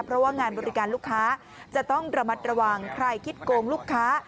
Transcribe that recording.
เพราะว่างานบริการลูกค้าจะต้องระมัดระวังใครคิดโกงลูกค้า